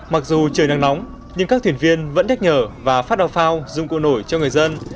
mặc dù trời nắng nóng nhưng các thuyền viên vẫn nhắc nhở và phát ào phao dụng cụ nổi cho người dân